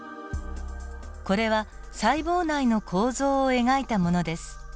これは細胞内の構造を描いたものです。